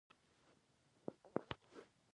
چې لویې ملي ګټې یې ننګولي دي.